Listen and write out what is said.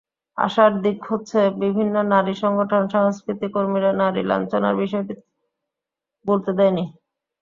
আশার দিক হচ্ছে, বিভিন্ন নারী সংগঠন, সংস্কৃতিকর্মীরা নারী লাঞ্ছনার বিষয়টি ভুলতে দেয়নি।